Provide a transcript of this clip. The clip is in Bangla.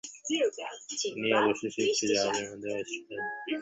তিনি অবশেষে একটি জাহাজের মাধ্যমে ওয়েস্ট ইন্ডিজের উদ্দেশ্যে যাত্রা শুরু করে।